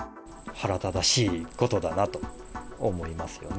腹立たしいことだなと思いますよね。